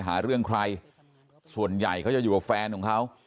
หาเรื่องใครส่วนใหญ่เขาจะอยู่กับแฟนของเขา